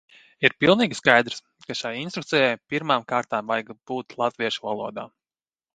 Ir pilnīgi skaidrs, ka šai instrukcijai pirmām kārtām vajag būt latviešu valodā.